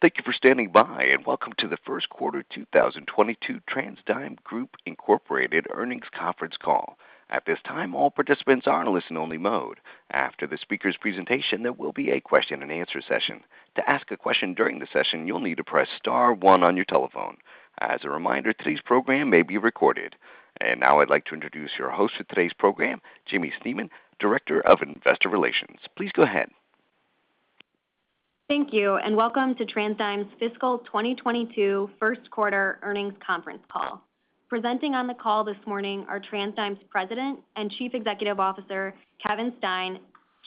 Thank you for standing by, and welcome to the first quarter 2022 TransDigm Group Incorporated earnings conference call. At this time, all participants are in listen-only mode. After the speaker's presentation, there will be a question-and-answer session. To ask a question during the session, you'll need to press star one on your telephone. As a reminder, today's program may be recorded. Now I'd like to introduce your host for today's program, Jaimie Stemen, Director of Investor Relations. Please go ahead. Thank you, and welcome to TransDigm's fiscal 2022 first quarter earnings conference call. Presenting on the call this morning are TransDigm's President and Chief Executive Officer, Kevin Stein,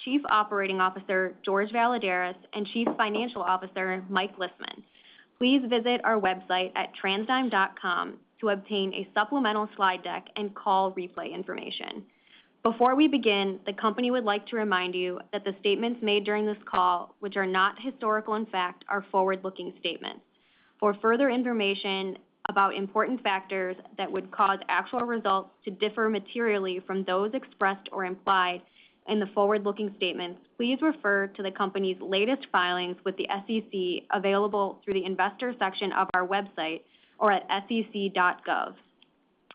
Chief Operating Officer, Jorge Valladares, and Chief Financial Officer, Mike Lisman. Please visit our website at transdigm.com to obtain a supplemental slide deck and call replay information. Before we begin, the company would like to remind you that the statements made during this call, which are not historical in fact, are forward-looking statements. For further information about important factors that would cause actual results to differ materially from those expressed or implied in the forward-looking statements, please refer to the company's latest filings with the SEC available through the investor section of our website or at sec.gov.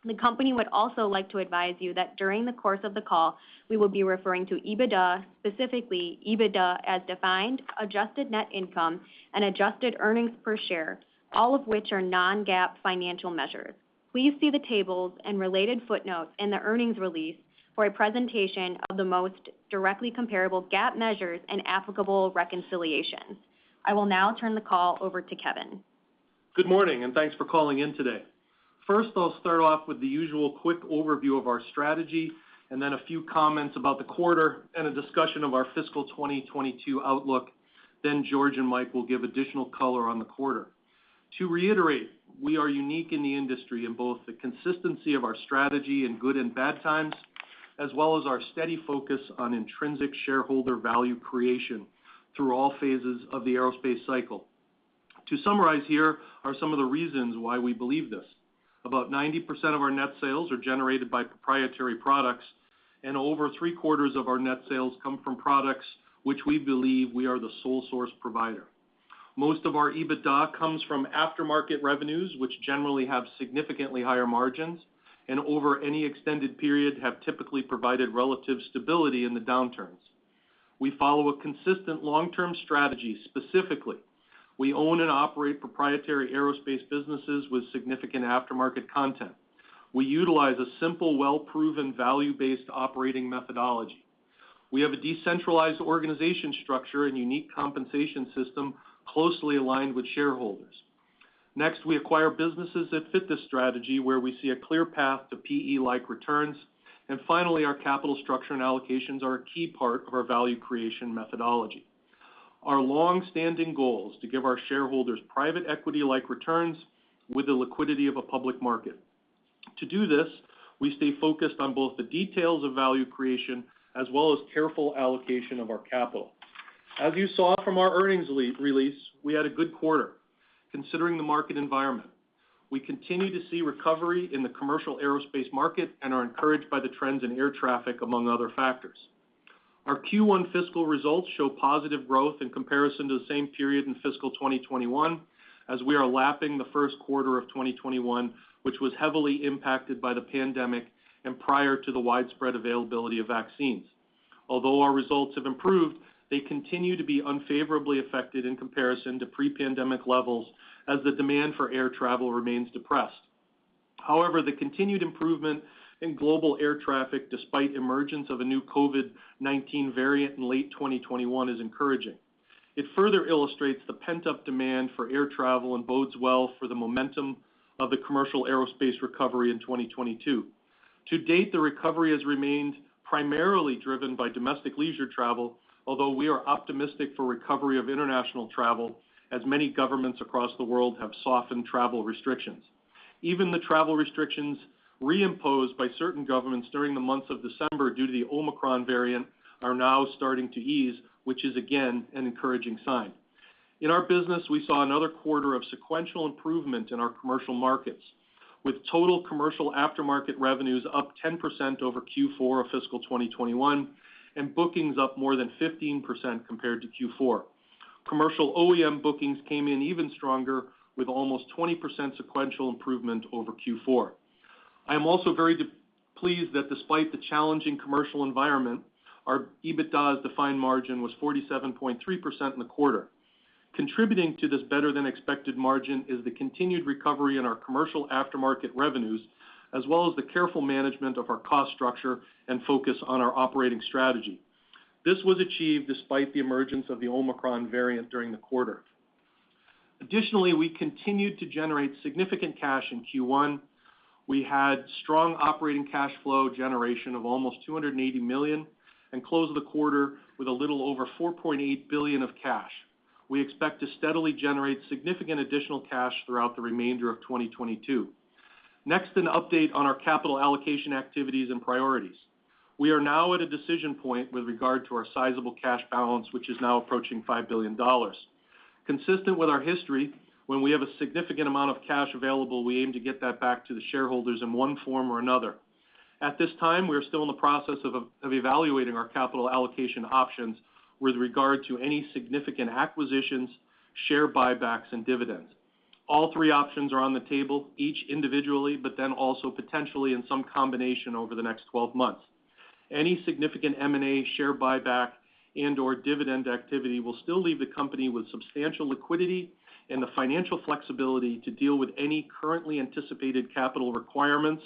The company would also like to advise you that during the course of the call, we will be referring to EBITDA, specifically EBITDA as defined, adjusted net income, and adjusted earnings per share, all of which are non-GAAP financial measures. Please see the tables and related footnotes in the earnings release for a presentation of the most directly comparable GAAP measures and applicable reconciliations. I will now turn the call over to Kevin. Good morning, and thanks for calling in today. First, I'll start off with the usual quick overview of our strategy, and then a few comments about the quarter, and a discussion of our fiscal 2022 outlook. Then Jorge Valladares and Mike Lisman will give additional color on the quarter. To reiterate, we are unique in the industry in both the consistency of our strategy in good and bad times, as well as our steady focus on intrinsic shareholder value creation through all phases of the aerospace cycle. To summarize, here are some of the reasons why we believe this. About 90% of our net sales are generated by proprietary products, and over three-quarters of our net sales come from products which we believe we are the sole source provider. Most of our EBITDA comes from aftermarket revenues, which generally have significantly higher margins, and over any extended period have typically provided relative stability in the downturns. We follow a consistent long-term strategy. Specifically, we own and operate proprietary aerospace businesses with significant aftermarket content. We utilize a simple, well-proven, value-based operating methodology. We have a decentralized organization structure and unique compensation system closely aligned with shareholders. Next, we acquire businesses that fit this strategy where we see a clear path to PE-like returns. Finally, our capital structure and allocations are a key part of our value creation methodology. Our long-standing goal is to give our shareholders private equity-like returns with the liquidity of a public market. To do this, we stay focused on both the details of value creation as well as careful allocation of our capital. As you saw from our earnings re-release, we had a good quarter, considering the market environment. We continue to see recovery in the commercial aerospace market and are encouraged by the trends in air traffic, among other factors. Our Q1 fiscal results show positive growth in comparison to the same period in fiscal 2021, as we are lapping the first quarter of 2021, which was heavily impacted by the pandemic and prior to the widespread availability of vaccines. Although our results have improved, they continue to be unfavorably affected in comparison to pre-pandemic levels as the demand for air travel remains depressed. However, the continued improvement in global air traffic despite emergence of a new COVID-19 variant in late 2021 is encouraging. It further illustrates the pent-up demand for air travel and bodes well for the momentum of the commercial aerospace recovery in 2022. To date, the recovery has remained primarily driven by domestic leisure travel, although we are optimistic for recovery of international travel as many governments across the world have softened travel restrictions. Even the travel restrictions reimposed by certain governments during the month of December due to the Omicron variant are now starting to ease, which is again an encouraging sign. In our business, we saw another quarter of sequential improvement in our commercial markets, with total commercial aftermarket revenues up 10% over Q4 of fiscal 2021, and bookings up more than 15% compared to Q4. Commercial OEM bookings came in even stronger, with almost 20% sequential improvement over Q4. I am also very pleased that despite the challenging commercial environment, our EBITDA as defined margin was 47.3% in the quarter. Contributing to this better-than-expected margin is the continued recovery in our commercial aftermarket revenues, as well as the careful management of our cost structure and focus on our operating strategy. This was achieved despite the emergence of the Omicron variant during the quarter. Additionally, we continued to generate significant cash in Q1. We had strong operating cash flow generation of almost $280 million, and closed the quarter with a little over $4.8 billion of cash. We expect to steadily generate significant additional cash throughout the remainder of 2022. Next, an update on our capital allocation activities and priorities. We are now at a decision point with regard to our sizable cash balance, which is now approaching $5 billion. Consistent with our history, when we have a significant amount of cash available, we aim to get that back to the shareholders in one form or another. At this time, we are still in the process of evaluating our capital allocation options with regard to any significant acquisitions, share buybacks, and dividends. All three options are on the table, each individually, but then also potentially in some combination over the next 12 months. Any significant M&A share buyback and/or dividend activity will still leave the company with substantial liquidity and the financial flexibility to deal with any currently anticipated capital requirements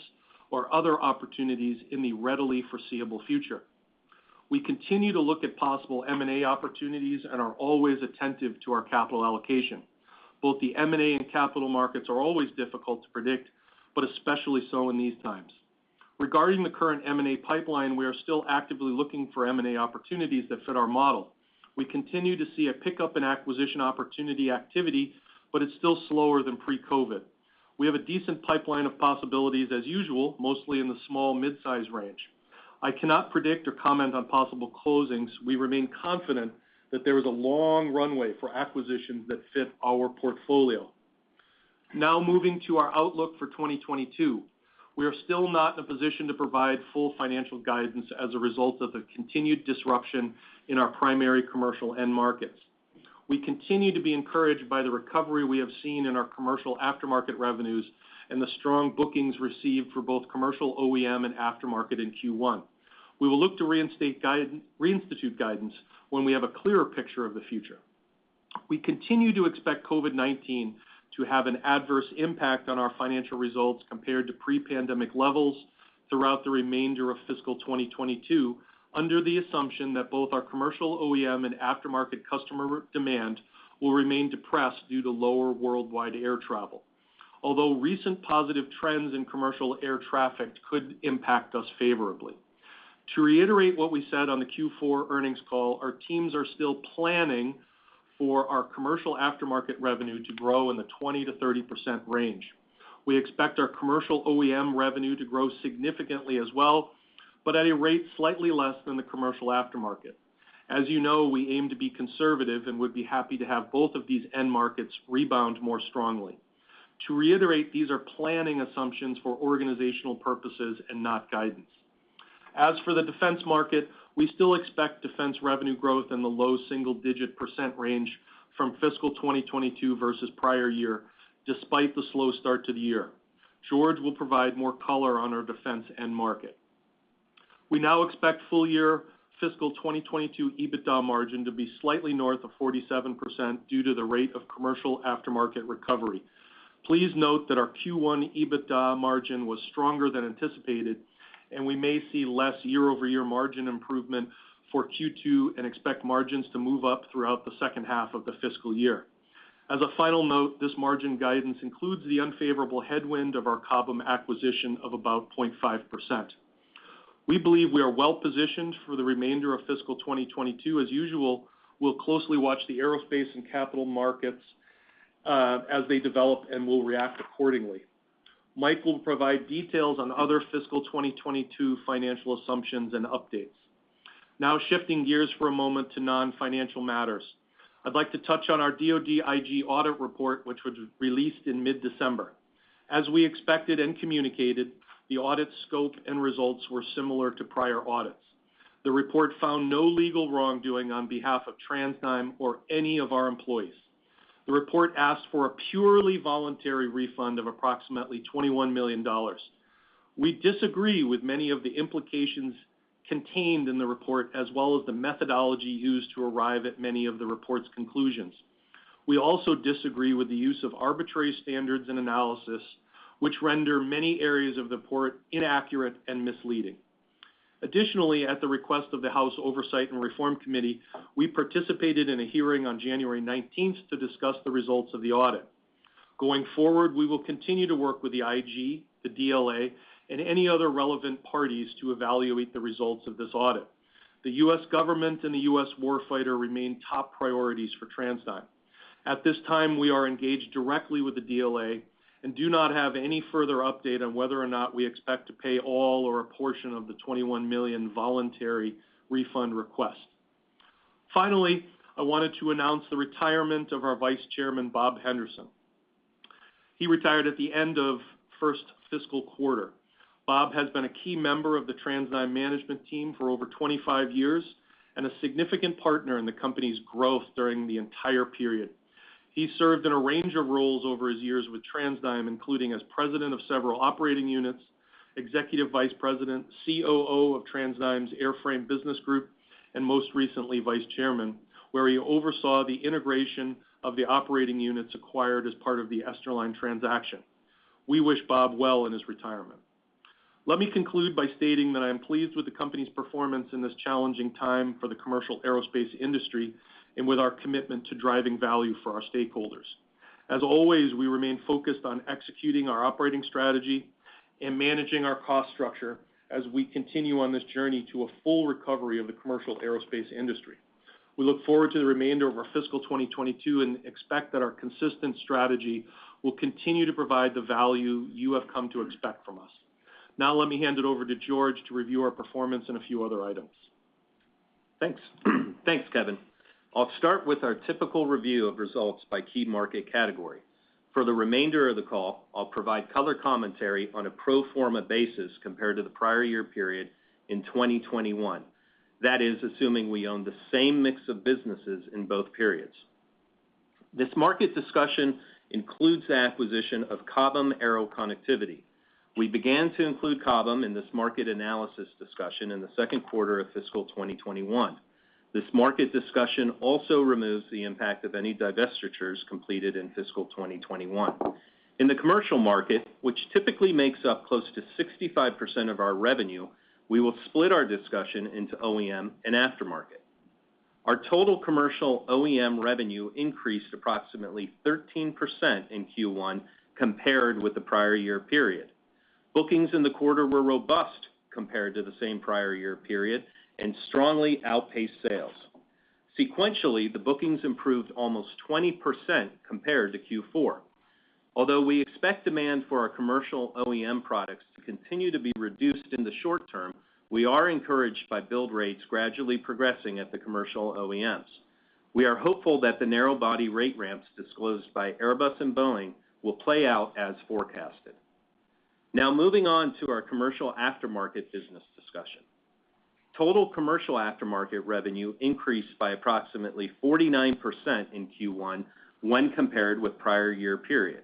or other opportunities in the readily foreseeable future. We continue to look at possible M&A opportunities and are always attentive to our capital allocation. Both the M&A and capital markets are always difficult to predict, but especially so in these times. Regarding the current M&A pipeline, we are still actively looking for M&A opportunities that fit our model. We continue to see a pickup in acquisition opportunity activity, but it's still slower than pre-COVID. We have a decent pipeline of possibilities as usual, mostly in the small mid-size range. I cannot predict or comment on possible closings. We remain confident that there is a long runway for acquisitions that fit our portfolio. Now moving to our outlook for 2022. We are still not in a position to provide full financial guidance as a result of the continued disruption in our primary commercial end markets. We continue to be encouraged by the recovery we have seen in our commercial aftermarket revenues and the strong bookings received for both commercial OEM and aftermarket in Q1. We will look to reinstitute guidance when we have a clearer picture of the future. We continue to expect COVID-19 to have an adverse impact on our financial results compared to pre-pandemic levels throughout the remainder of fiscal 2022, under the assumption that both our commercial OEM and aftermarket customer demand will remain depressed due to lower worldwide air travel. Although recent positive trends in commercial air traffic could impact us favorably. To reiterate what we said on the Q4 earnings call, our teams are still planning for our commercial aftermarket revenue to grow in the 20%-30% range. We expect our commercial OEM revenue to grow significantly as well, but at a rate slightly less than the commercial aftermarket. As you know, we aim to be conservative and would be happy to have both of these end markets rebound more strongly. To reiterate, these are planning assumptions for organizational purposes and not guidance. As for the defense market, we still expect defense revenue growth in the low single-digit percent range from fiscal 2022 versus prior year, despite the slow start to the year. Jorge Valladares will provide more color on our defense end market. We now expect full year fiscal 2022 EBITDA margin to be slightly north of 47% due to the rate of commercial aftermarket recovery. Please note that our Q1 EBITDA margin was stronger than anticipated, and we may see less year-over-year margin improvement for Q2 and expect margins to move up throughout the second half of the fiscal year. As a final note, this margin guidance includes the unfavorable headwind of our Cobham acquisition of about 0.5%. We believe we are well-positioned for the remainder of fiscal 2022. As usual, we'll closely watch the aerospace and capital markets, as they develop and will react accordingly. Mike will provide details on other fiscal 2022 financial assumptions and updates. Now shifting gears for a moment to non-financial matters. I'd like to touch on our DoD OIG audit report, which was released in mid-December. As we expected and communicated, the audit scope and results were similar to prior audits. The report found no legal wrongdoing on behalf of TransDigm or any of our employees. The report asked for a purely voluntary refund of approximately $21 million. We disagree with many of the implications contained in the report, as well as the methodology used to arrive at many of the report's conclusions. We also disagree with the use of arbitrary standards and analysis, which render many areas of the report inaccurate and misleading. Additionally, at the request of the House Committee on Oversight and Reform, we participated in a hearing on January 19th to discuss the results of the audit. Going forward, we will continue to work with the IG, the DLA, and any other relevant parties to evaluate the results of this audit. The U.S. government and the U.S. war fighter remain top priorities for TransDigm. At this time, we are engaged directly with the DLA and do not have any further update on whether or not we expect to pay all or a portion of the $21 million voluntary refund request. Finally, I wanted to announce the retirement of our Vice Chairman, Bob Henderson. He retired at the end of first fiscal quarter. Bob has been a key member of the TransDigm management team for over 25 years and a significant partner in the company's growth during the entire period. He served in a range of roles over his years with TransDigm, including as president of several operating units, executive vice president, COO of TransDigm's Airframe Business Group, and most recently, Vice Chairman, where he oversaw the integration of the operating units acquired as part of the Esterline transaction. We wish Bob well in his retirement. Let me conclude by stating that I am pleased with the company's performance in this challenging time for the commercial aerospace industry and with our commitment to driving value for our stakeholders. As always, we remain focused on executing our operating strategy and managing our cost structure as we continue on this journey to a full recovery of the commercial aerospace industry. We look forward to the remainder of our fiscal 2022 and expect that our consistent strategy will continue to provide the value you have come to expect from us. Now let me hand it over to Jorge to review our performance and a few other items. Thanks. Thanks, Kevin. I'll start with our typical review of results by key market category. For the remainder of the call, I'll provide color commentary on a pro forma basis compared to the prior year period in 2021. That is, assuming we own the same mix of businesses in both periods. This market discussion includes the acquisition of Cobham Aero Connectivity. We began to include Cobham in this market analysis discussion in the second quarter of fiscal 2021. This market discussion also removes the impact of any divestitures completed in fiscal 2021. In the commercial market, which typically makes up close to 65% of our revenue, we will split our discussion into OEM and aftermarket. Our total commercial OEM revenue increased approximately 13% in Q1 compared with the prior year period. Bookings in the quarter were robust compared to the same prior year period and strongly outpaced sales. Sequentially, the bookings improved almost 20% compared to Q4. Although we expect demand for our commercial OEM products to continue to be reduced in the short term, we are encouraged by build rates gradually progressing at the commercial OEMs. We are hopeful that the narrow body rate ramps disclosed by Airbus and Boeing will play out as forecasted. Now moving on to our commercial aftermarket business discussion. Total commercial aftermarket revenue increased by approximately 49% in Q1 when compared with prior year period.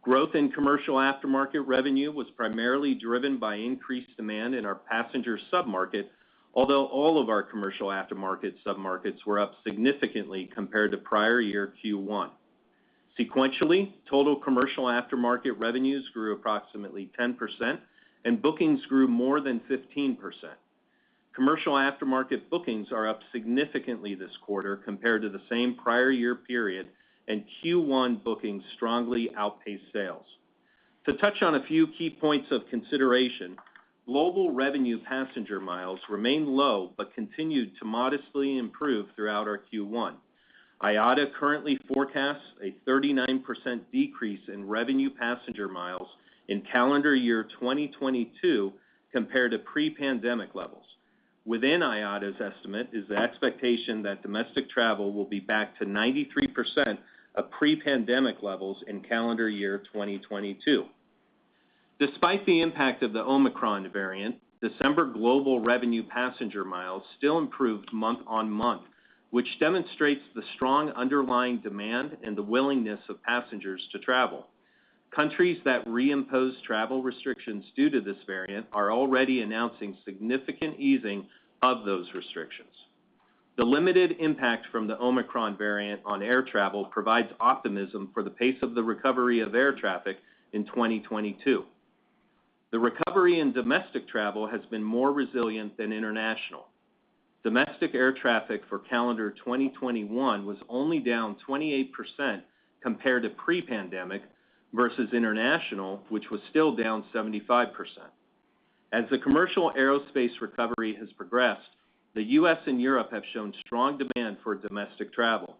Growth in commercial aftermarket revenue was primarily driven by increased demand in our passenger submarket, although all of our commercial aftermarket submarkets were up significantly compared to prior year Q1. Sequentially, total commercial aftermarket revenues grew approximately 10%, and bookings grew more than 15%. Commercial aftermarket bookings are up significantly this quarter compared to the same prior year period, and Q1 bookings strongly outpaced sales. To touch on a few key points of consideration, global revenue passenger miles remained low but continued to modestly improve throughout our Q1. IATA currently forecasts a 39% decrease in revenue passenger miles in calendar year 2022 compared to pre-pandemic levels. Within IATA's estimate is the expectation that domestic travel will be back to 93% of pre-pandemic levels in calendar year 2022. Despite the impact of the Omicron variant, December global revenue passenger miles still improved month-on-month, which demonstrates the strong underlying demand and the willingness of passengers to travel. Countries that reimpose travel restrictions due to this variant are already announcing significant easing of those restrictions. The limited impact from the Omicron variant on air travel provides optimism for the pace of the recovery of air traffic in 2022. The recovery in domestic travel has been more resilient than international. Domestic air traffic for calendar 2021 was only down 28% compared to pre-pandemic versus international, which was still down 75%. As the commercial aerospace recovery has progressed, the U.S. and Europe have shown strong demand for domestic travel.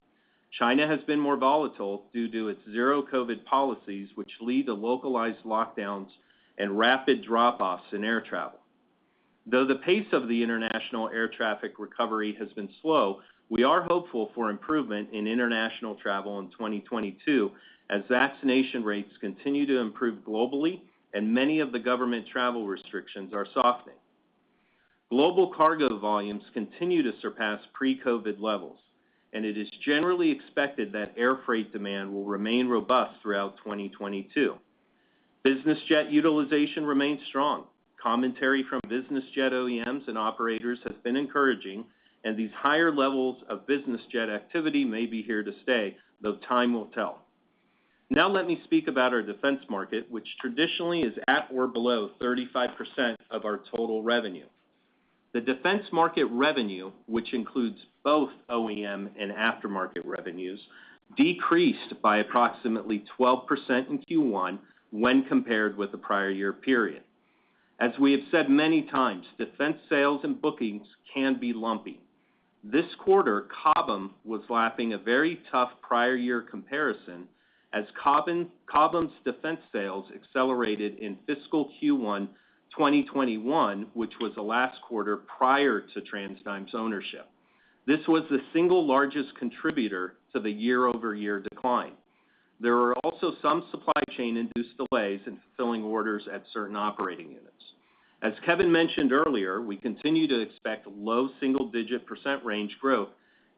China has been more volatile due to its zero COVID policies, which lead to localized lockdowns and rapid drop-offs in air travel. Though the pace of the international air traffic recovery has been slow, we are hopeful for improvement in international travel in 2022 as vaccination rates continue to improve globally and many of the government travel restrictions are softening. Global cargo volumes continue to surpass pre-COVID levels, and it is generally expected that air freight demand will remain robust throughout 2022. Business jet utilization remains strong. Commentary from business jet OEMs and operators has been encouraging, and these higher levels of business jet activity may be here to stay, though time will tell. Now let me speak about our defense market, which traditionally is at or below 35% of our total revenue. The defense market revenue, which includes both OEM and aftermarket revenues, decreased by approximately 12% in Q1 when compared with the prior year period. As we have said many times, defense sales and bookings can be lumpy. This quarter, Cobham was lapping a very tough prior year comparison as Cobham's defense sales accelerated in fiscal Q1 2021, which was the last quarter prior to TransDigm's ownership. This was the single largest contributor to the year-over-year decline. There were also some supply chain-induced delays in fulfilling orders at certain operating units. As Kevin mentioned earlier, we continue to expect low single-digit percent range growth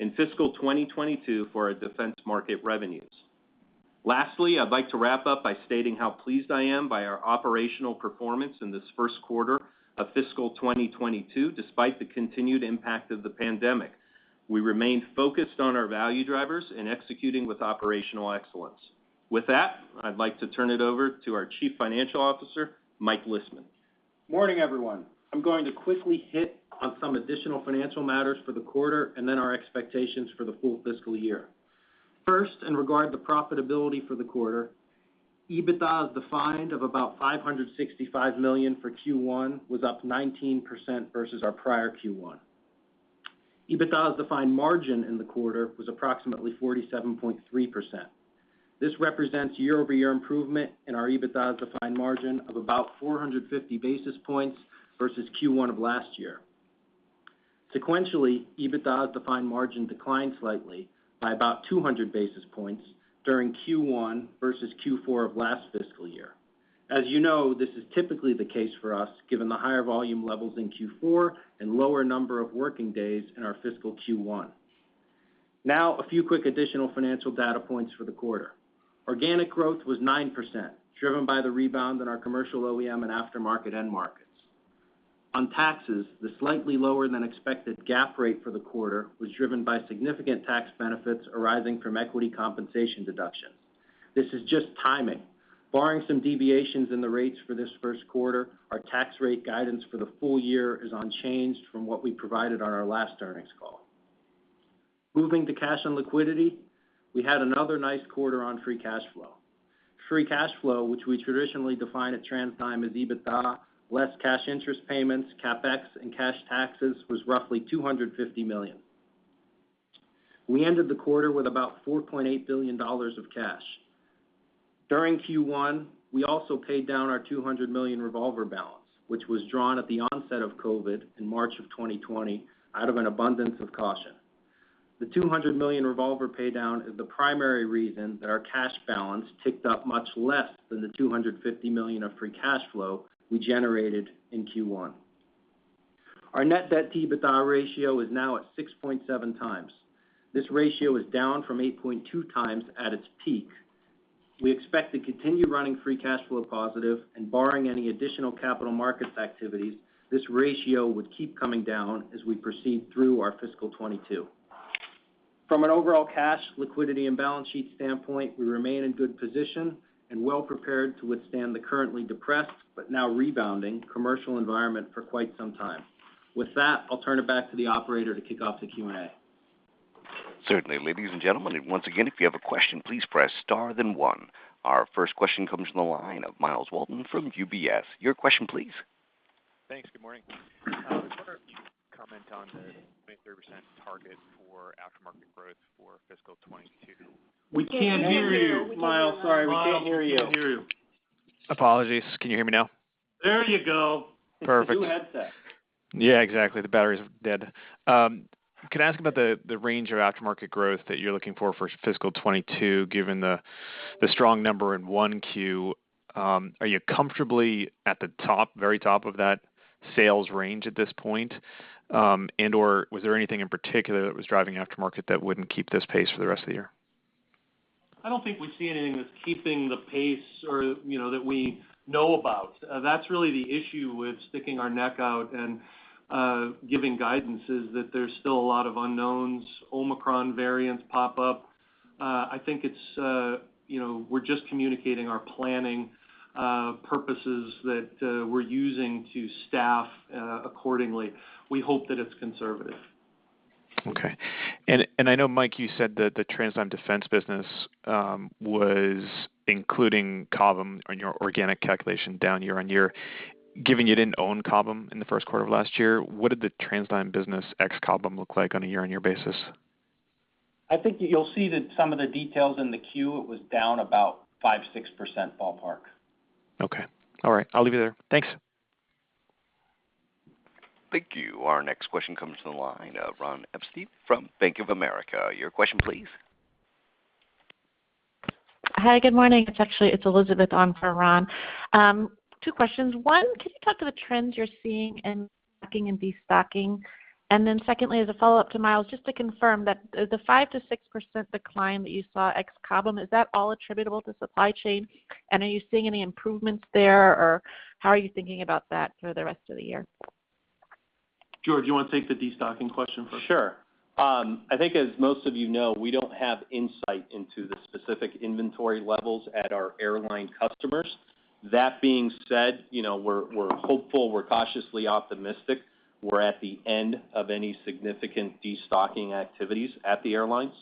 in fiscal 2022 for our defense market revenues. Lastly, I'd like to wrap up by stating how pleased I am by our operational performance in this first quarter of fiscal 2022, despite the continued impact of the pandemic. We remain focused on our value drivers and executing with operational excellence. With that, I'd like to turn it over to our Chief Financial Officer, Mike Lisman. Morning, everyone. I'm going to quickly hit on some additional financial matters for the quarter and then our expectations for the full fiscal year. First, in regard to profitability for the quarter, EBITDA as defined of about $565 million for Q1 was up 19% versus our prior Q1. EBITDA as defined margin in the quarter was approximately 47.3%. This represents year-over-year improvement in our EBITDA defined margin of about 450 basis points versus Q1 of last year. Sequentially, EBITDA defined margin declined slightly by about 200 basis points during Q1 versus Q4 of last fiscal year. As you know, this is typically the case for us, given the higher volume levels in Q4 and lower number of working days in our fiscal Q1. Now a few quick additional financial data points for the quarter. Organic growth was 9%, driven by the rebound in our commercial OEM and aftermarket end markets. On taxes, the slightly lower than expected GAAP rate for the quarter was driven by significant tax benefits arising from equity compensation deductions. This is just timing. Barring some deviations in the rates for this first quarter, our tax rate guidance for the full year is unchanged from what we provided on our last earnings call. Moving to cash and liquidity. We had another nice quarter on free cash flow. Free cash flow, which we traditionally define at TransDigm as EBITDA, less cash interest payments, CapEx, and cash taxes, was roughly $250 million. We ended the quarter with about $4.8 billion of cash. During Q1, we also paid down our $200 million revolver balance, which was drawn at the onset of COVID in March 2020 out of an abundance of caution. The $200 million revolver pay down is the primary reason that our cash balance ticked up much less than the $250 million of free cash flow we generated in Q1. Our net debt-to-EBITDA ratio is now at 6.7x. This ratio is down from 8.2x at its peak. We expect to continue running free cash flow positive, and barring any additional capital markets activities, this ratio would keep coming down as we proceed through our fiscal 2022. From an overall cash liquidity and balance sheet standpoint, we remain in good position and well prepared to withstand the currently depressed, but now rebounding commercial environment for quite some time. With that, I'll turn it back to the operator to kick off the Q&A. Certainly. Ladies and gentlemen, once again, if you have a question, please press star then one. Our first question comes from the line of Myles Walton from UBS. Your question please. Thanks. Good morning. I was wondering if you could comment on the 23% target for aftermarket growth for fiscal 2022. We can't hear you, Myles. Sorry, we can't hear you. We can't hear you. Apologies. Can you hear me now? There you go. Perfect. It's the new headset. Yeah, exactly. The battery's dead. Can I ask about the range of aftermarket growth that you're looking for for fiscal 2022, given the strong number in Q1. Are you comfortably at the top, very top of that sales range at this point? And/or was there anything in particular that was driving aftermarket that wouldn't keep this pace for the rest of the year? I don't think we see anything that's keeping the pace or, you know, that we know about. That's really the issue with sticking our neck out and giving guidance, is that there's still a lot of unknowns. Omicron variants pop up. I think it's, you know, we're just communicating our planning purposes that we're using to staff accordingly. We hope that it's conservative. I know, Mike, you said that the TransDigm Defense business was including Cobham on your organic calculation down year-over-year. Given you didn't own Cobham in the first quarter of last year, what did the TransDigm business ex-Cobham look like on a year-over-year basis? I think you'll see that some of the details in the Q, it was down about 5%-6% ballpark. Okay. All right, I'll leave it there. Thanks. Thank you. Our next question comes from the line of Ronald Epstein from Bank of America. Your question please. Hi, good morning. It's actually Elizabeth on for Ron. Two questions. One, can you talk to the trends you're seeing in stocking and destocking? Secondly, as a follow-up to Mike, just to confirm that the 5%-6% decline that you saw ex-Cobham is all attributable to supply chain? Are you seeing any improvements there, or how are you thinking about that for the rest of the year? Jorge, you wanna take the destocking question first? Sure. I think as most of you know, we don't have insight into the specific inventory levels at our airline customers. That being said, you know, we're hopeful, we're cautiously optimistic we're at the end of any significant destocking activities at the airlines.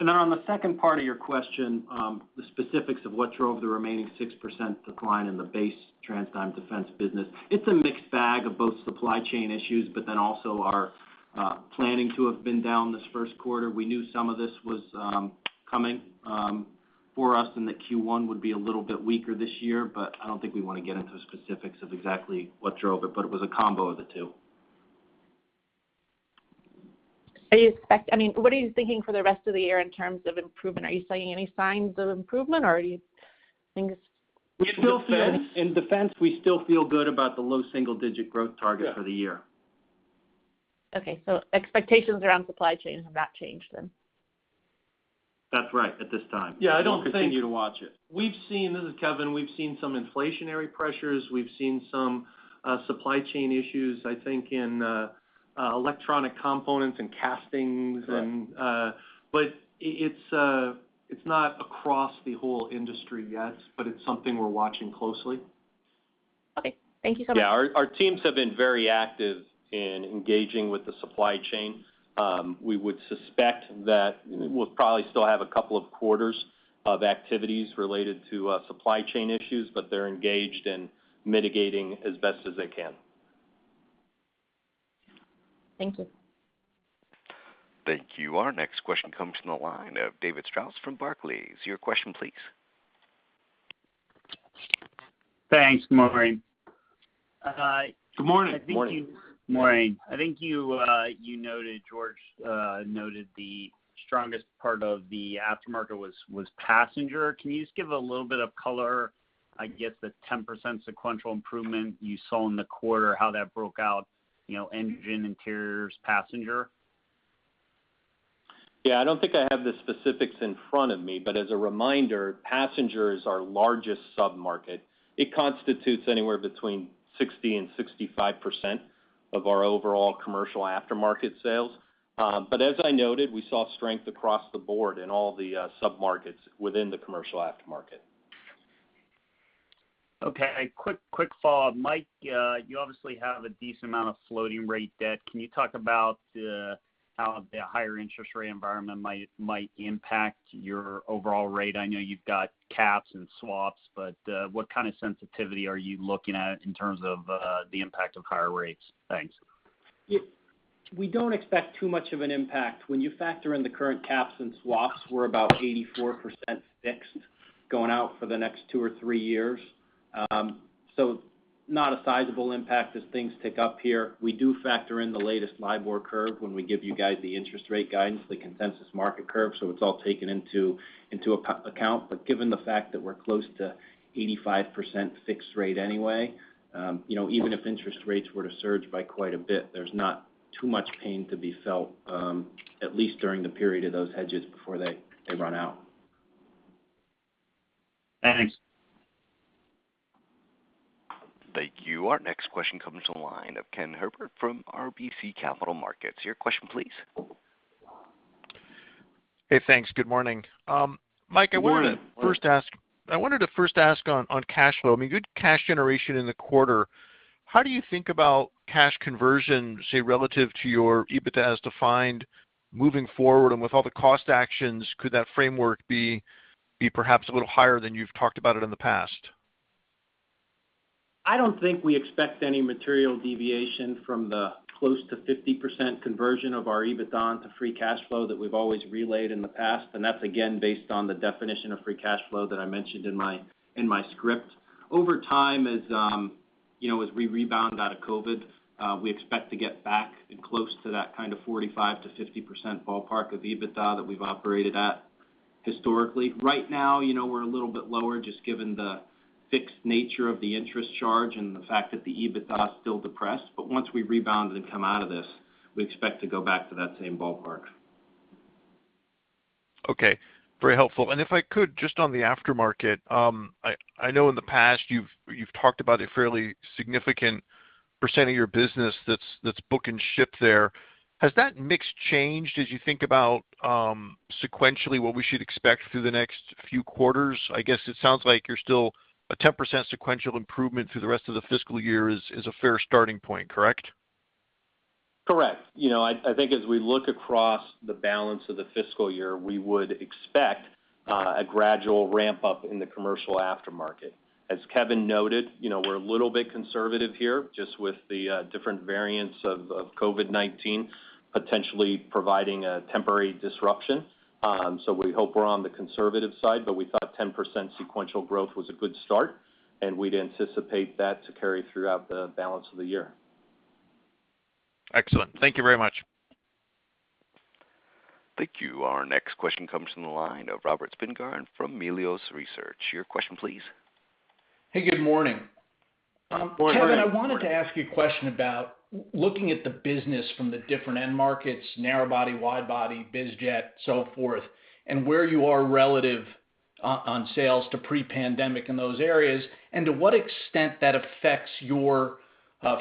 Now on the second part of your question, the specifics of what drove the remaining 6% decline in the base TransDigm Defense business, it's a mixed bag of both supply chain issues, but then also our planning to have been down this first quarter. We knew some of this was coming for us, and that Q1 would be a little bit weaker this year, but I don't think we wanna get into the specifics of exactly what drove it, but it was a combo of the two. I mean, what are you thinking for the rest of the year in terms of improvement? Are you seeing any signs of improvement, or are you thinking it's? In defense, we still feel good about the low single-digit growth target for the year. Okay. Expectations around supply chain have not changed then? That's right, at this time. Yeah, I don't think. We'll continue to watch it. This is Kevin. We've seen some inflationary pressures. We've seen some supply chain issues, I think, in electronic components and castings. It's not across the whole industry yet, but it's something we're watching closely. Okay. Thank you so much. Yeah. Our teams have been very active in engaging with the supply chain. We would suspect that we'll probably still have a couple of quarters of activities related to supply chain issues, but they're engaged in mitigating as best as they can. Thank you. Thank you. Our next question comes from the line of David Strauss from Barclays. Your question, please. Thanks. Good morning. Good morning. Morning. I think you noted Jorge noted the strongest part of the aftermarket was passenger. Can you just give a little bit of color, I guess the 10% sequential improvement you saw in the quarter, how that broke out, you know, engine, interiors, passenger? Yeah. I don't think I have the specifics in front of me, but as a reminder, passenger is our largest sub-market. It constitutes anywhere between 60%-65% of our overall commercial aftermarket sales. But as I noted, we saw strength across the board in all the sub-markets within the commercial aftermarket. Okay. Quick follow-up. Mike, you obviously have a decent amount of floating rate debt. Can you talk about how the higher interest rate environment might impact your overall rate? I know you've got caps and swaps, but what kind of sensitivity are you looking at in terms of the impact of higher rates? Thanks. Yeah. We don't expect too much of an impact. When you factor in the current caps and swaps, we're about 84% fixed going out for the next two or three years. So not a sizable impact as things pick up here. We do factor in the latest LIBOR curve when we give you guys the interest rate guidance, the consensus market curve, so it's all taken into account. But given the fact that we're close to 85% fixed rate anyway, you know, even if interest rates were to surge by quite a bit, there's not too much pain to be felt, at least during the period of those hedges before they run out. Thanks. Thank you. Our next question comes from the line of Ken Herbert from RBC Capital Markets. Your question, please. Hey, thanks. Good morning. Mike- Good morning. I wanted to first ask on cash flow. I mean, good cash generation in the quarter. How do you think about cash conversion, say, relative to your EBITDA as defined moving forward? With all the cost actions, could that framework be perhaps a little higher than you've talked about it in the past? I don't think we expect any material deviation from the close to 50% conversion of our EBITDA to free cash flow that we've always relayed in the past. That's again based on the definition of free cash flow that I mentioned in my script. Over time, as you know, as we rebound out of COVID, we expect to get back and close to that kind of 45%-50% ballpark of EBITDA that we've operated at historically. Right now, you know, we're a little bit lower just given the fixed nature of the interest charge and the fact that the EBITDA is still depressed. Once we rebound and come out of this, we expect to go back to that same ballpark. Okay. Very helpful. If I could, just on the aftermarket, I know in the past you've talked about a fairly significant percent of your business that's book and ship there. Has that mix changed as you think about sequentially what we should expect through the next few quarters? I guess it sounds like you're still a 10% sequential improvement through the rest of the fiscal year is a fair starting point, correct? Correct. You know, I think as we look across the balance of the fiscal year, we would expect a gradual ramp-up in the commercial aftermarket. As Kevin noted, you know, we're a little bit conservative here just with the different variants of COVID-19 potentially providing a temporary disruption. We hope we're on the conservative side, but we thought 10% sequential growth was a good start, and we'd anticipate that to carry throughout the balance of the year. Excellent. Thank you very much. Thank you. Our next question comes from the line of Robert Spingarn from Melius Research. Your question, please. Hey, good morning. Good morning. Kevin, I wanted to ask you a question about looking at the business from the different end markets, narrow body, wide body, biz jet, so forth, and where you are relative on sales to pre-pandemic in those areas, and to what extent that affects your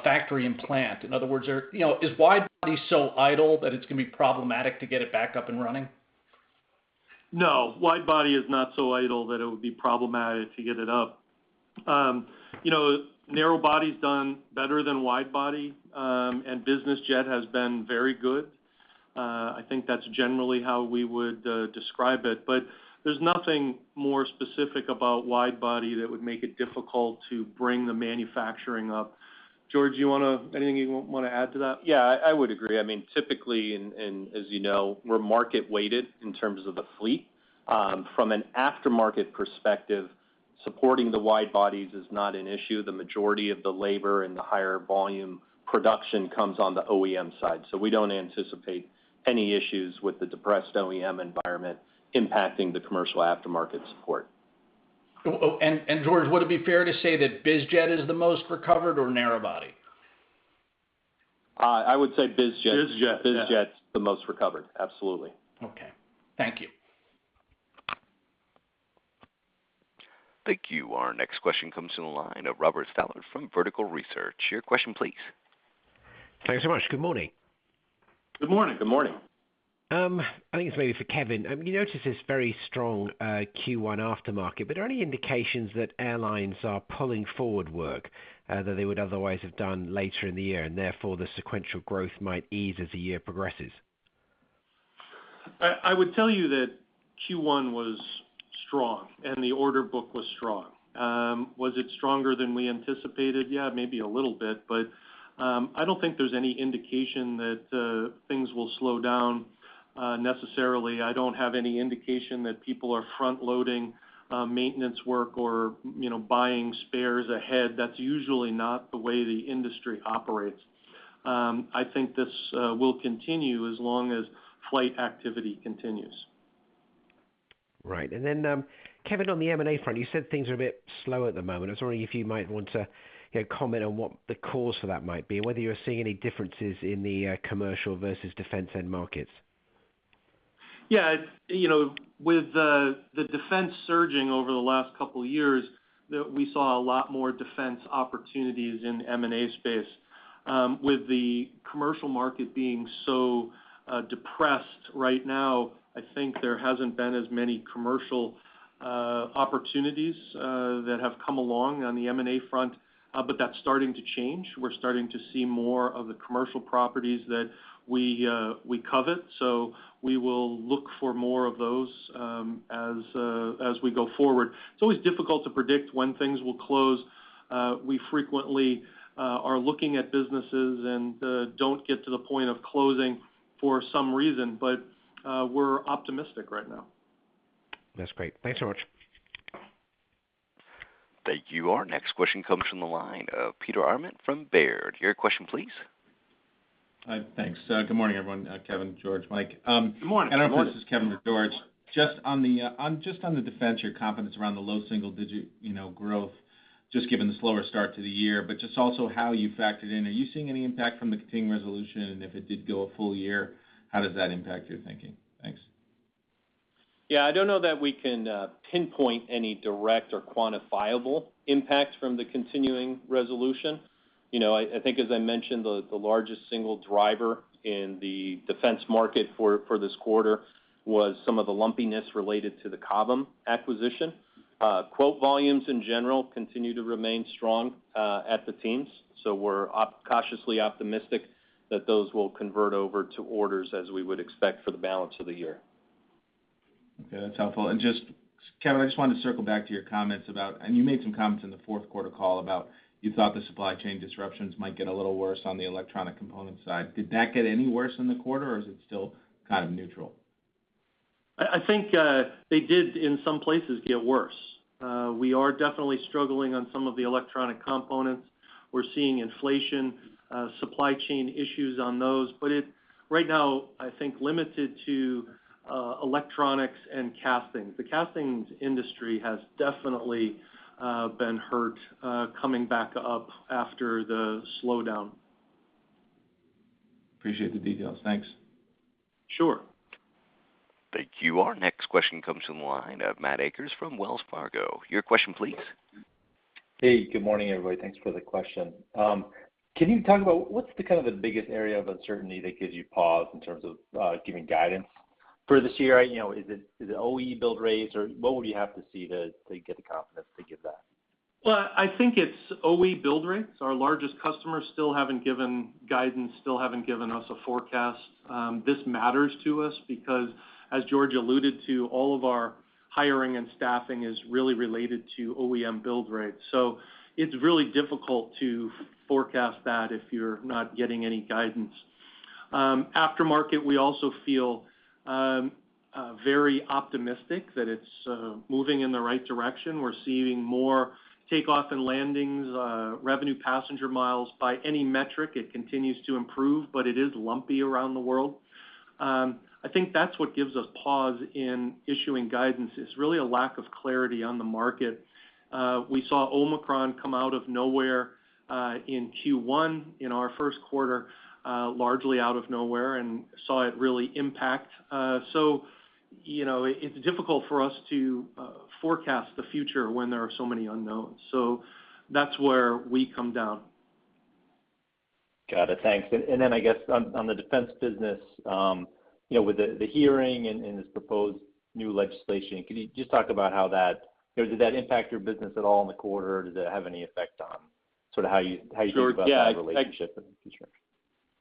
factory and plant. In other words, you know, is wide body so idle that it's gonna be problematic to get it back up and running? No. Wide body is not so idle that it would be problematic to get it up. You know, narrow body's done better than wide body, and business jet has been very good. I think that's generally how we would describe it. But there's nothing more specific about wide body that would make it difficult to bring the manufacturing up. Jorge, anything you wanna add to that? Yeah, I would agree. I mean, typically, and as you know, we're market weighted in terms of the fleet. From an aftermarket perspective, supporting the wide bodies is not an issue. The majority of the labor and the higher volume production comes on the OEM side. We don't anticipate any issues with the depressed OEM environment impacting the commercial aftermarket support. Jorge, would it be fair to say that biz jet is the most recovered or narrow body? I would say biz jet. Biz jet, yeah. Biz jet's the most recovered. Absolutely. Okay. Thank you. Thank you. Our next question comes from the line of Robert Stallard from Vertical Research. Your question, please. Thanks so much. Good morning. Good morning. Good morning. I think it's maybe for Kevin. You noticed this very strong Q1 aftermarket, but are there any indications that airlines are pulling forward work that they would otherwise have done later in the year, and therefore the sequential growth might ease as the year progresses? I would tell you that Q1 was strong and the order book was strong. Was it stronger than we anticipated? Yeah, maybe a little bit, but I don't think there's any indication that things will slow down necessarily. I don't have any indication that people are front-loading maintenance work or, you know, buying spares ahead. That's usually not the way the industry operates. I think this will continue as long as flight activity continues. Right. Kevin, on the M&A front, you said things are a bit slow at the moment. I was wondering if you might want to, you know, comment on what the cause for that might be, and whether you're seeing any differences in the commercial versus defense end markets? Yeah. You know, with the defense surging over the last couple years, we saw a lot more defense opportunities in the M&A space. With the commercial market being so depressed right now, I think there hasn't been as many commercial opportunities that have come along on the M&A front, but that's starting to change. We're starting to see more of the commercial properties that we covet. We will look for more of those as we go forward. It's always difficult to predict when things will close. We frequently are looking at businesses and don't get to the point of closing for some reason, but we're optimistic right now. That's great. Thanks so much. Thank you. Our next question comes from the line of Peter Arment from Baird. Your question, please. Thanks. Good morning, everyone, Kevin, Jorge, Mike. Good morning. Of course, this is Kevin to Jorge. Just on the defense, your confidence around the low single-digit, you know, growth just given the slower start to the year, but just also how you factor it in. Are you seeing any impact from the continuing resolution? If it did go a full year, how does that impact your thinking? Thanks. Yeah, I don't know that we can pinpoint any direct or quantifiable impact from the continuing resolution. You know, I think as I mentioned, the largest single driver in the defense market for this quarter was some of the lumpiness related to the Cobham acquisition. Quote volumes in general continue to remain strong at the OEMs. We're cautiously optimistic that those will convert over to orders as we would expect for the balance of the year. Okay, that's helpful. Just, Kevin, I just wanted to circle back to your comments about, and you made some comments in the fourth quarter call about you thought the supply chain disruptions might get a little worse on the electronic component side. Did that get any worse in the quarter, or is it still kind of neutral? I think they did in some places get worse. We are definitely struggling on some of the electronic components. We're seeing inflation, supply chain issues on those, but it right now, I think, limited to, electronics and casting. The casting industry has definitely been hurt, coming back up after the slowdown. Appreciate the details. Thanks. Sure. Thank you. Our next question comes from the line of Matthew Akers from Wells Fargo. Your question, please. Hey, good morning, everybody. Thanks for the question. Can you talk about what's the kind of the biggest area of uncertainty that gives you pause in terms of giving guidance for this year? You know, is it OE build rates, or what would you have to see to get the confidence to give that? Well, I think it's OEM build rates. Our largest customers still haven't given guidance, still haven't given us a forecast. This matters to us because as Jorge alluded to, all of our hiring and staffing is really related to OEM build rates. It's really difficult to forecast that if you're not getting any guidance. Aftermarket, we also feel very optimistic that it's moving in the right direction. We're seeing more takeoff and landings, revenue passenger miles. By any metric, it continues to improve, but it is lumpy around the world. I think that's what gives us pause in issuing guidance is really a lack of clarity on the market. We saw Omicron come out of nowhere, in Q1, in our first quarter, largely out of nowhere and saw it really impact. You know, it's difficult for us to forecast the future when there are so many unknowns. That's where we come down. Got it. Thanks. I guess on the defense business, you know, with the hearing and this proposed new legislation, can you just talk about how that or did that impact your business at all in the quarter? Or does it have any effect on sort of how you think about that relationship in the future?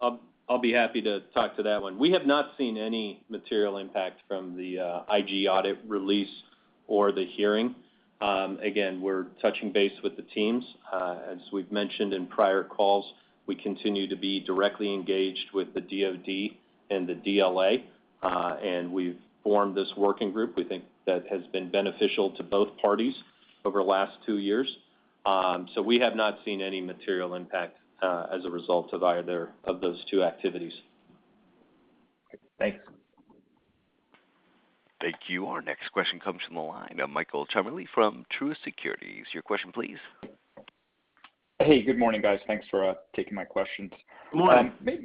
Sure. Yeah, I'll be happy to talk to that one. We have not seen any material impact from the IG audit release or the hearing. Again, we're touching base with the teams. As we've mentioned in prior calls, we continue to be directly engaged with the DoD and the DLA, and we've formed this working group we think that has been beneficial to both parties over the last two years. We have not seen any material impact as a result of either of those two activities. Thanks. Thank you. Our next question comes from the line of Michael Ciarmoli from Truist Securities. Your question, please. Hey, good morning, guys. Thanks for taking my questions. Good morning. Good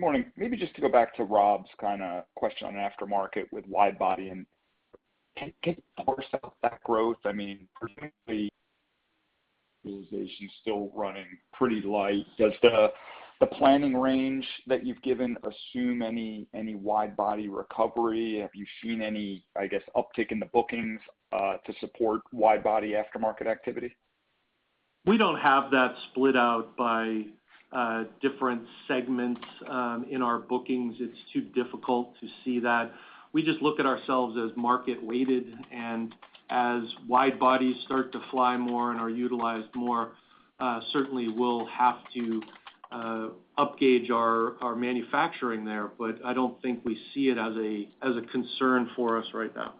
morning. Maybe just to go back to Rob's kinda question on aftermarket with wide body and can you parse out that growth? I mean, presumably still running pretty light. Does the planning range that you've given assume any wide body recovery? Have you seen any, I guess, uptick in the bookings to support wide body aftermarket activity? We don't have that split out by different segments in our bookings. It's too difficult to see that. We just look at ourselves as market-weighted and as wide bodies start to fly more and are utilized more, certainly we'll have to upgauge our manufacturing there. I don't think we see it as a concern for us right now.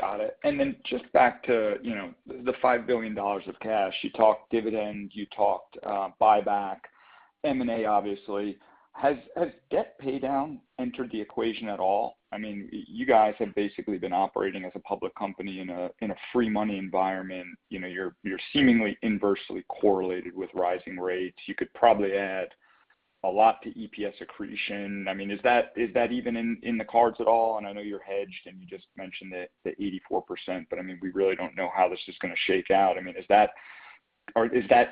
Got it. Then just back to, you know, the $5 billion of cash. You talked dividends, you talked buyback, M&A obviously. Has debt paydown entered the equation at all? I mean, you guys have basically been operating as a public company in a free money environment. You know, you're seemingly inversely correlated with rising rates. You could probably add a lot to EPS accretion. I mean, is that even in the cards at all? I know you're hedged, and you just mentioned it to 84%, but I mean, we really don't know how this is gonna shake out. I mean, is that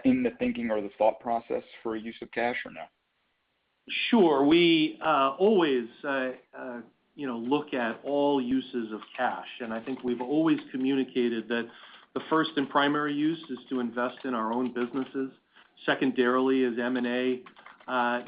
in the thinking or the thought process for use of cash or no? Sure. We always, you know, look at all uses of cash, and I think we've always communicated that the first and primary use is to invest in our own businesses. Secondarily is M&A.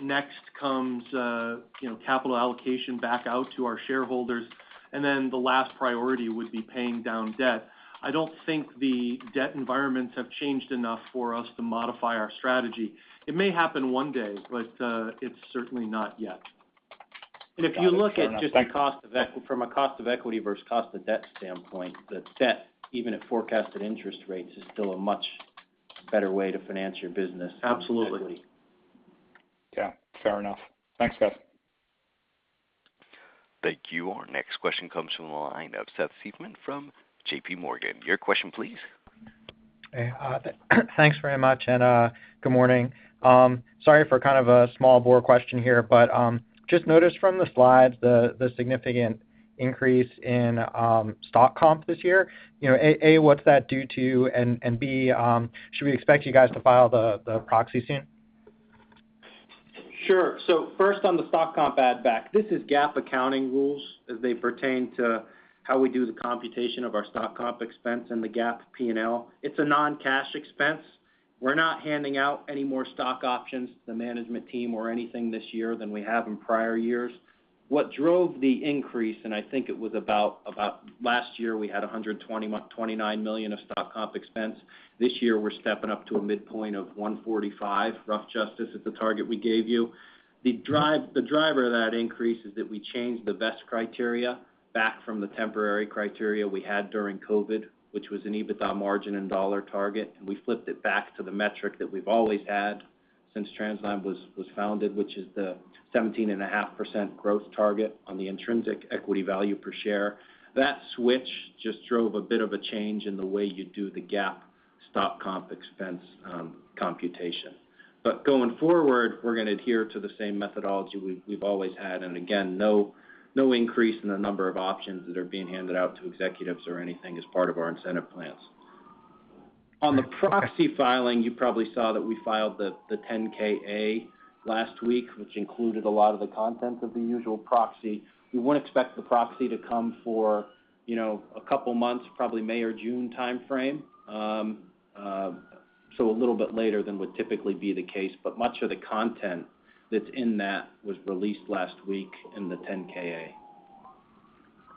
Next comes, you know, capital allocation back out to our shareholders. Then the last priority would be paying down debt. I don't think the debt environments have changed enough for us to modify our strategy. It may happen one day, but, it's certainly not yet. Got it. Fair enough. Thanks. If you look at just the cost of equity from a cost of equity versus cost of debt standpoint, the debt, even at forecasted interest rates, is still a much better way to finance your business. Absolutely. Than equity. Yeah, fair enough. Thanks, guys. Thank you. Our next question comes from the line of Seth Seifman from JPMorgan. Your question please. Hey. Thanks very much, and good morning. Sorry for kind of a small-bore question here, but just noticed from the slides the significant increase in stock comp this year. You know, A, what's that due to? And B, should we expect you guys to file the proxy soon? Sure. First on the stock comp add back. This is GAAP accounting rules as they pertain to how we do the computation of our stock comp expense and the GAAP P&L. It's a non-cash expense. We're not handing out any more stock options to the management team or anything this year than we have in prior years. What drove the increase, and I think it was about last year, we had $129 million of stock comp expense. This year, we're stepping up to a midpoint of $145, rough justice at the target we gave you. The driver of that increase is that we changed the vest criteria back from the temporary criteria we had during COVID, which was an EBITDA margin and dollar target, and we flipped it back to the metric that we've always had since TransDigm was founded, which is the 17.5% growth target on the intrinsic equity value per share. That switch just drove a bit of a change in the way you do the GAAP stock comp expense computation. Going forward, we're gonna adhere to the same methodology we've always had. Again, no increase in the number of options that are being handed out to executives or anything as part of our incentive plans. On the proxy filing, you probably saw that we filed the 10-K/A last week, which included a lot of the content of the usual proxy. We wouldn't expect the proxy to come for, you know, a couple months, probably May or June timeframe. A little bit later than would typically be the case, but much of the content that's in that was released last week in the 10-K/A.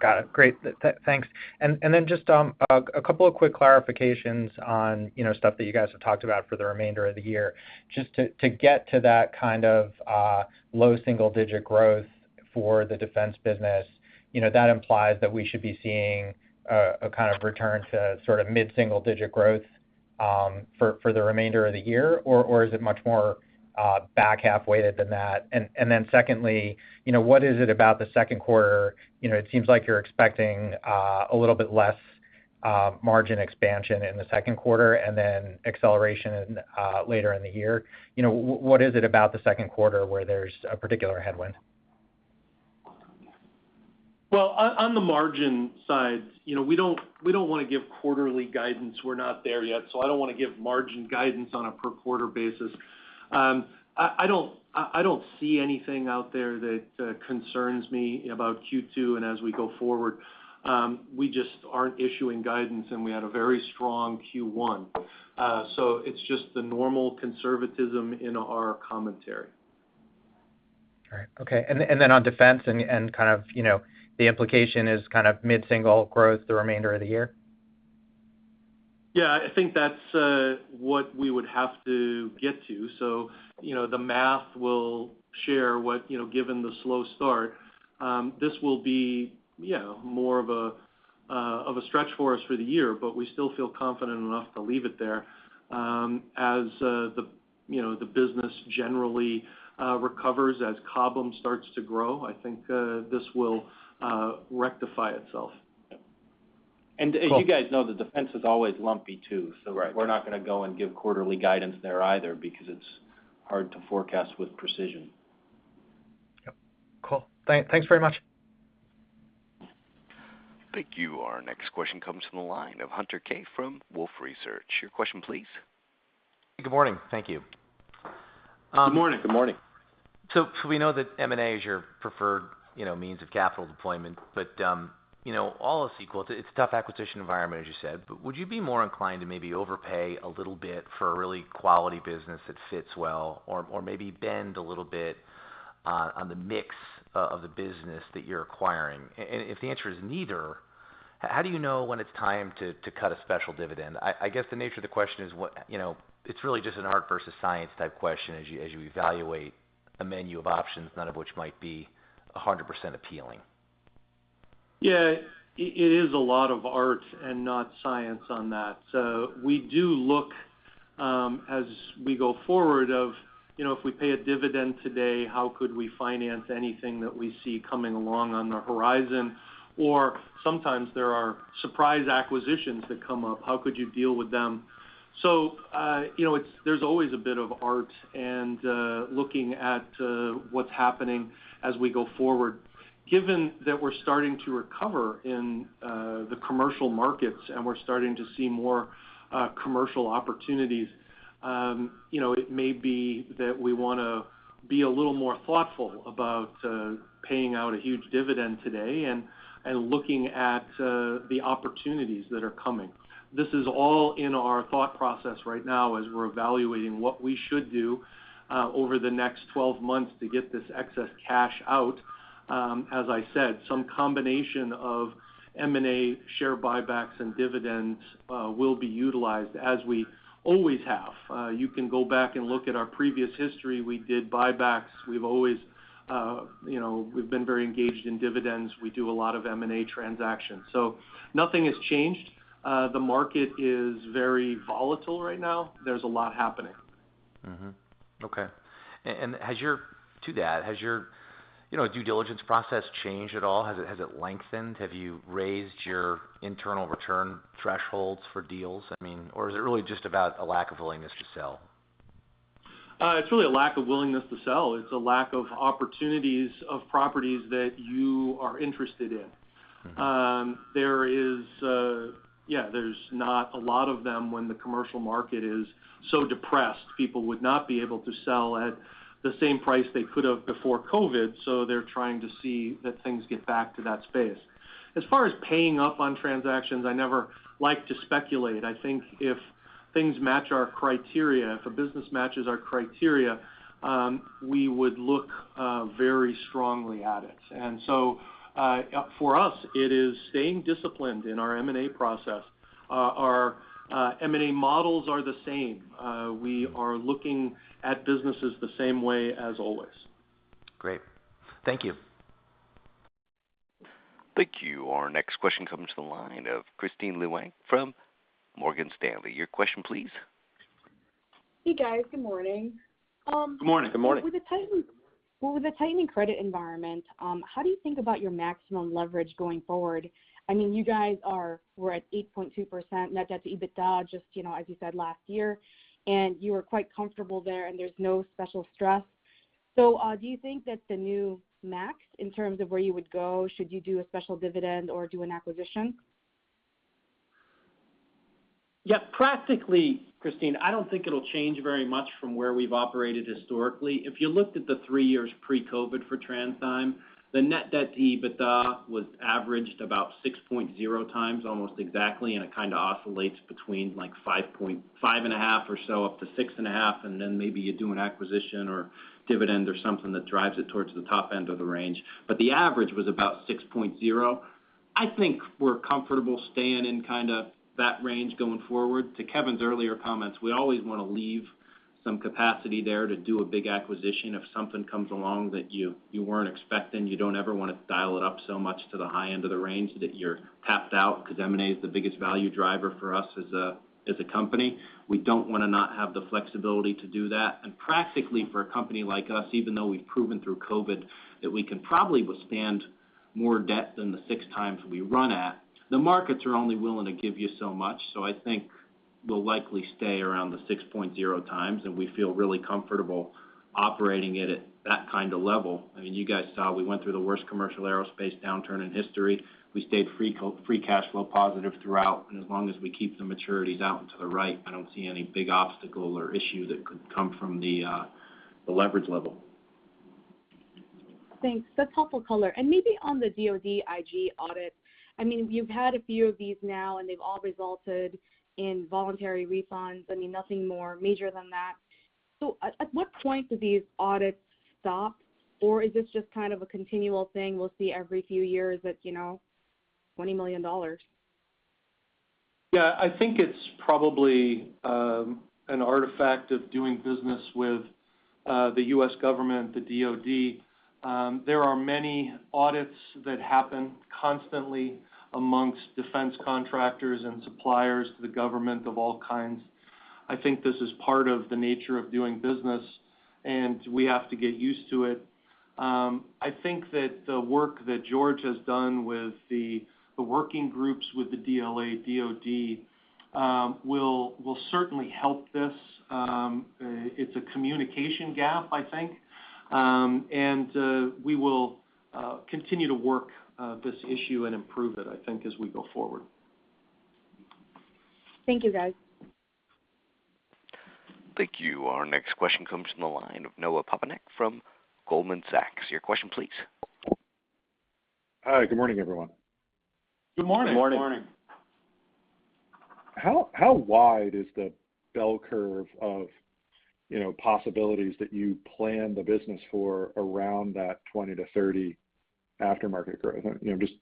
Got it. Great. Thanks. Then just a couple of quick clarifications on, you know, stuff that you guys have talked about for the remainder of the year. Just to get to that kind of low single-digit growth for the defense business, you know, that implies that we should be seeing a kind of return to sort of mid-single-digit growth for the remainder of the year or is it much more back half weighted than that? Secondly, you know, what is it about the second quarter? You know, it seems like you're expecting a little bit less margin expansion in the second quarter and then acceleration later in the year. You know, what is it about the second quarter where there's a particular headwind? Well, on the margin side, you know, we don't wanna give quarterly guidance. We're not there yet, so I don't wanna give margin guidance on a per quarter basis. I don't see anything out there that concerns me about Q2 and as we go forward. We just aren't issuing guidance, and we had a very strong Q1. It's just the normal conservatism in our commentary. On defense and kind of, you know, the implication is kind of mid-single growth the remainder of the year. Yeah. I think that's what we would have to get to. You know, the math will show what, you know, given the slow start, this will be, you know, more of a stretch for us for the year, but we still feel confident enough to leave it there. As, you know, the business generally recovers, as Cobham starts to grow, I think this will rectify itself. As you guys know, the defense is always lumpy too. Right. We're not gonna go and give quarterly guidance there either because it's hard to forecast with precision. Yep. Cool. Thanks very much. Thank you. Our next question comes from the line of Hunter Keay from Wolfe Research. Your question, please. Good morning. Thank you. Good morning. Good morning. We know that M&A is your preferred, you know, means of capital deployment. You know, all else equal, it's a tough acquisition environment, as you said, but would you be more inclined to maybe overpay a little bit for a really quality business that fits well or maybe bend a little bit on the mix of the business that you're acquiring? And if the answer is neither, how do you know when it's time to cut a special dividend? I guess the nature of the question is what, you know, it's really just an art versus science type question as you evaluate a menu of options, none of which might be 100% appealing. Yeah. It is a lot of art and not science on that. We do look as we go forward, you know, if we pay a dividend today, how could we finance anything that we see coming along on the horizon? Or sometimes there are surprise acquisitions that come up, how could you deal with them? You know, there's always a bit of art and looking at what's happening as we go forward. Given that we're starting to recover in the commercial markets, and we're starting to see more commercial opportunities, you know, it may be that we wanna be a little more thoughtful about paying out a huge dividend today and looking at the opportunities that are coming. This is all in our thought process right now as we're evaluating what we should do over the next 12 months to get this excess cash out. As I said, some combination of M&A share buybacks and dividends will be utilized as we always have. You can go back and look at our previous history. We did buybacks. We've always, you know, we've been very engaged in dividends. We do a lot of M&A transactions, so nothing has changed. The market is very volatile right now. There's a lot happening. Mm-hmm. Okay. Has your, you know, due diligence process changed at all? Has it lengthened? Have you raised your internal return thresholds for deals? I mean, or is it really just about a lack of willingness to sell? It's really a lack of willingness to sell. It's a lack of opportunities of properties that you are interested in. Yeah, there's not a lot of them when the commercial market is so depressed. People would not be able to sell at the same price they could have before COVID, so they're trying to see that things get back to that space. As far as paying up on transactions, I never like to speculate. I think if things match our criteria, if a business matches our criteria, we would look very strongly at it. For us, it is staying disciplined in our M&A process. Our M&A models are the same. We are looking at businesses the same way as always. Great. Thank you. Thank you. Our next question comes to the line of Kristine Liwag from Morgan Stanley. Your question, please. Hey, guys. Good morning. Good morning. Good morning. With the tightening credit environment, how do you think about your maximum leverage going forward? I mean, you guys were at 8.2% net debt to EBITDA, just, you know, as you said last year, and you were quite comfortable there, and there's no special stress. Do you think that's the new max in terms of where you would go should you do a special dividend or do an acquisition? Yeah. Practically, Kristine, I don't think it'll change very much from where we've operated historically. If you looked at the 3 years pre-COVID for TransDigm, the net debt to EBITDA was averaged about 6.0x almost exactly, and it kinda oscillates between like 5.5 or so up to 6.5, and then maybe you do an acquisition or dividend or something that drives it towards the top end of the range. The average was about 6.0. I think we're comfortable staying in kind of that range going forward. To Kevin's earlier comments, we always wanna leave some capacity there to do a big acquisition if something comes along that you weren't expecting. You don't ever wanna dial it up so much to the high end of the range that you're tapped out because M&A is the biggest value driver for us as a company. We don't wanna not have the flexibility to do that. Practically, for a company like us, even though we've proven through COVID that we can probably withstand more debt than the 6.0x we run at, the markets are only willing to give you so much. I think we'll likely stay around the 6.0x, and we feel really comfortable operating it at that kind of level. I mean, you guys saw we went through the worst commercial aerospace downturn in history. We stayed free cash flow positive throughout, and as long as we keep the maturities out and to the right, I don't see any big obstacle or issue that could come from the leverage level. Thanks. That's helpful color. Maybe on the DoD OIG audit, I mean, you've had a few of these now, and they've all resulted in voluntary refunds. I mean, nothing more major than that. At what point do these audits stop, or is this just kind of a continual thing we'll see every few years at, you know, $20 million? Yeah. I think it's probably an artifact of doing business with the U.S. government, the DoD. There are many audits that happen constantly among defense contractors and suppliers to the government of all kinds. I think this is part of the nature of doing business, and we have to get used to it. I think that the work that Jorge has done with the working groups with the DLA, DoD, will certainly help this. It's a communication gap, I think. We will continue to work this issue and improve it, I think, as we go forward. Thank you, guys. Thank you. Our next question comes from the line of Noah Poponak from Goldman Sachs. Your question please. Hi, good morning, everyone. Good morning. Good morning. How wide is the bell curve of, you know, possibilities that you plan the business for around that 20%-30% aftermarket growth? You know, just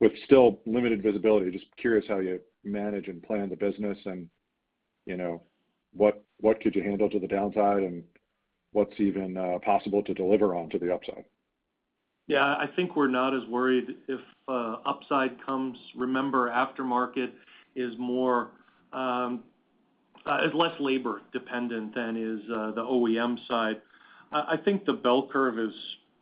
with still limited visibility, just curious how you manage and plan the business and, you know, what could you handle to the downside and what's even possible to deliver on to the upside? Yeah, I think we're not as worried if upside comes. Remember, aftermarket is less labor dependent than the OEM side. I think the bell curve is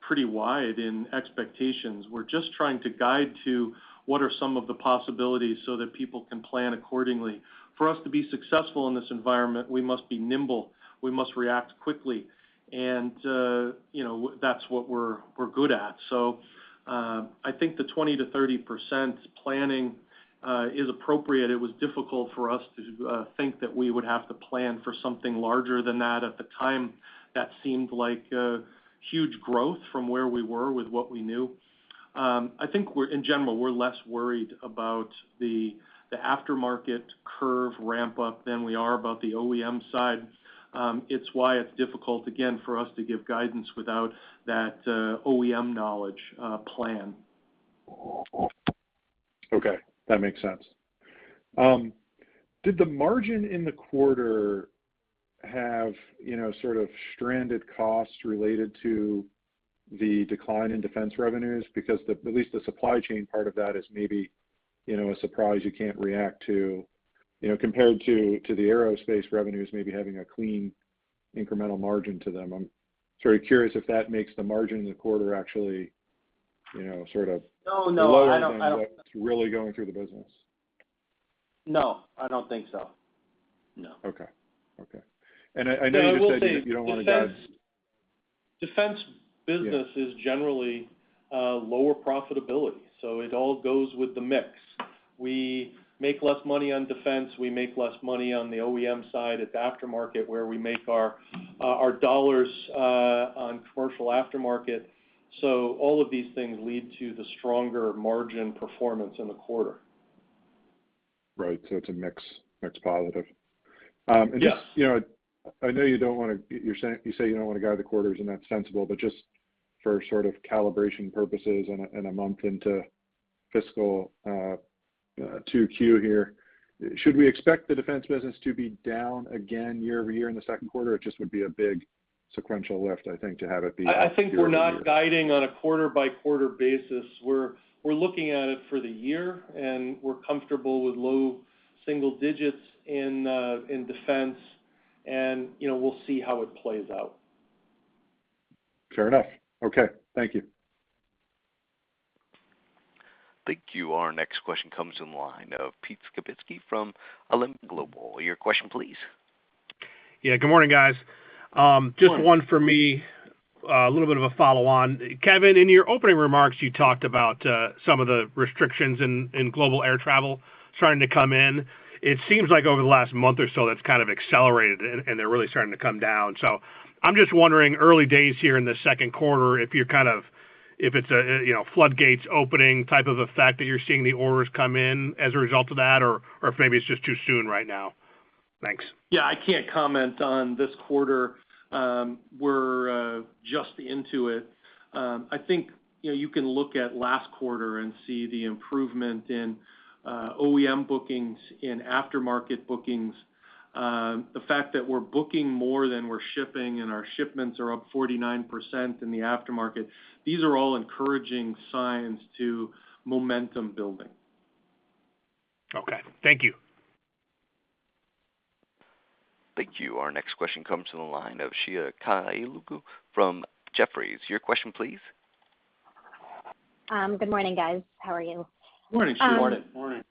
pretty wide in expectations. We're just trying to guide to what are some of the possibilities so that people can plan accordingly. For us to be successful in this environment, we must be nimble, we must react quickly, and you know, that's what we're good at. I think the 20%-30% planning is appropriate. It was difficult for us to think that we would have to plan for something larger than that. At the time, that seemed like a huge growth from where we were with what we knew. I think in general, we're less worried about the aftermarket curve ramp up than we are about the OEM side. It's why it's difficult, again, for us to give guidance without that OEM knowledge plan. Okay, that makes sense. Did the margin in the quarter have, you know, sort of stranded costs related to the decline in defense revenues? Because at least the supply chain part of that is maybe, you know, a surprise you can't react to, you know, compared to the aerospace revenues maybe having a clean incremental margin to them. I'm very curious if that makes the margin in the quarter actually, you know, sort of- No, I don't. Lower than what's really going through the business. No, I don't think so. No. Okay. I know you said you don't want to guide- I will say defense business is generally lower profitability, so it all goes with the mix. We make less money on defense. We make less money on the OEM side at the after market where we make our dollars on commercial aftermarket. All of these things lead to the stronger margin performance in the quarter. Right. It's a mix positive. Yes. You know, I know you don't wanna—you're saying, you say you don't wanna guide the quarters and that's sensible, but just for sort of calibration purposes and a month into fiscal 2Q here, should we expect the defense business to be down again year-over-year in the second quarter? It just would be a big sequential lift, I think, to have it be up year-over-year. I think we're not guiding on a quarter by quarter basis. We're looking at it for the year, and we're comfortable with low single digits in defense and, you know, we'll see how it plays out. Fair enough. Okay. Thank you. Thank you. Our next question comes in line of Pete Skibitski from Alembic Global Advisors. Your question please. Yeah, good morning, guys. Just one for me, a little bit of a follow on. Kevin, in your opening remarks, you talked about some of the restrictions in global air travel starting to come in. It seems like over the last month or so, that's kind of accelerated and they're really starting to come down. I'm just wondering, early days here in the second quarter, if it's a you know floodgates opening type of effect that you're seeing the orders come in as a result of that or if maybe it's just too soon right now. Thanks. Yeah, I can't comment on this quarter. We're just into it. I think, you know, you can look at last quarter and see the improvement in OEM bookings and aftermarket bookings. The fact that we're booking more than we're shipping and our shipments are up 49% in the aftermarket, these are all encouraging signs of momentum building. Okay, thank you. Thank you. Our next question comes to the line of Sheila Kahyaoglu from Jefferies. Your question, please. Good morning, guys. How are you? Morning, Sheila. Morning. Morning.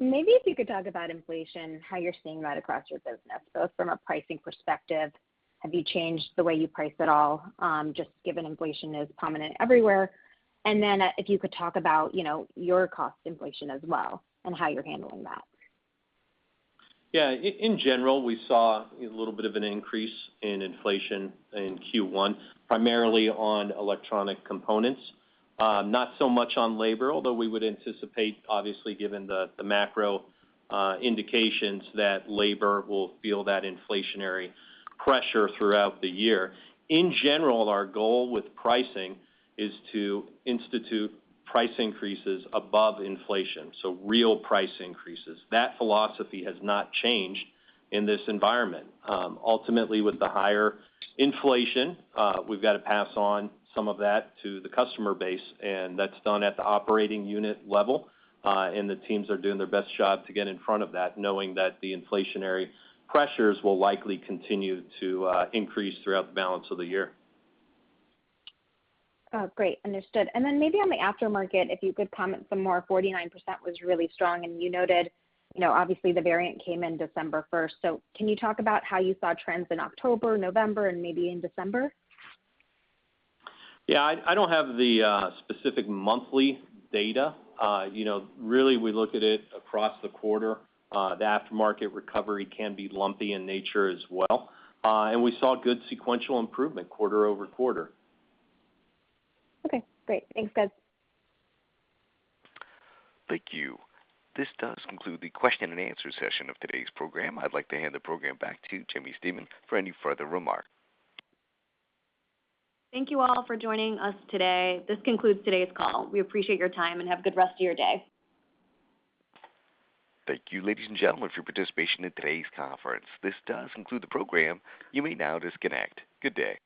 Maybe if you could talk about inflation, how you're seeing that across your business, both from a pricing perspective, have you changed the way you price at all, just given inflation is prominent everywhere? Then if you could talk about, you know, your cost inflation as well and how you're handling that. Yeah, in general, we saw a little bit of an increase in inflation in Q1, primarily on electronic components. Not so much on labor, although we would anticipate, obviously given the macro indications that labor will feel that inflationary pressure throughout the year. In general, our goal with pricing is to institute price increases above inflation, so real price increases. That philosophy has not changed in this environment. Ultimately, with the higher inflation, we've got to pass on some of that to the customer base, and that's done at the operating unit level, and the teams are doing their best job to get in front of that, knowing that the inflationary pressures will likely continue to increase throughout the balance of the year. Oh, great. Understood. Maybe on the aftermarket, if you could comment some more. 49% was really strong, and you noted, you know, obviously the variant came in December first. Can you talk about how you saw trends in October, November, and maybe in December? Yeah, I don't have the specific monthly data. You know, really we look at it across the quarter. We saw good sequential improvement quarter-over-quarter. Okay, great. Thanks, guys. Thank you. This does conclude the question and answer session of today's program. I'd like to hand the program back to Jaimie Stemen for any further remarks. Thank you all for joining us today. This concludes today's call. We appreciate your time, and have a good rest of your day. Thank you, ladies and gentlemen, for your participation in today's conference. This does conclude the program. You may now disconnect. Good day.